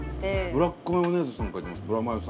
ブラックマヨネーズさん書いてます。